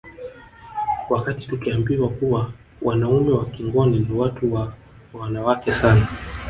Wakati tukiambiwa kuwa wanaume wa Kingoni ni watu wa wanawake sana